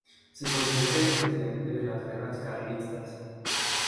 Se considera el precedente de las guerras carlistas.